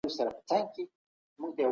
مطالعه لرونکي خلګ په ټولنه کي راښکونکي وي.